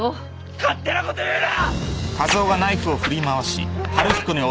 勝手なこと言うな！